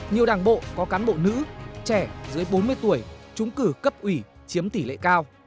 nhiều đảng bộ có cán bộ nữ trẻ dưới bốn mươi tuổi chúng cử cấp ủy chiếm tỷ lệ cao